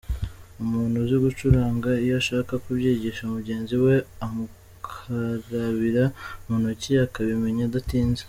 Umuntu uzi gucuranga iyo ashaka kubyigisha mugenzi we, amukarabira mu ntoki akabimenya adatinze.